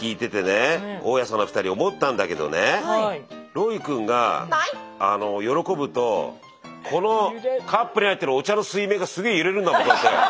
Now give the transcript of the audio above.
ロイ君が喜ぶとこのカップに入ってるお茶の水面がすげえ揺れるんだもんこうやって。